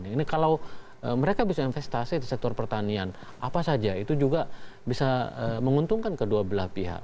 ini kalau mereka bisa investasi di sektor pertanian apa saja itu juga bisa menguntungkan kedua belah pihak